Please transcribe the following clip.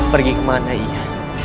pergi kemana iya